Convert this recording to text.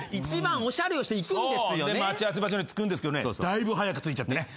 で待ち合わせ場所に着くんですけどねだいぶ早く着いちゃってね。